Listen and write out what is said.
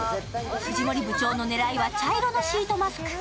藤森部長の狙いは茶色のシートマスク。